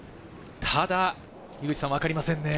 ただ分かりませんね。